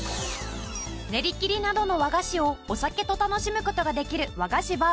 練り切りなどの和菓子をお酒と楽しむ事ができる和菓子ｂａｒ